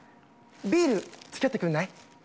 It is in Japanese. ビール付き合ってくんない？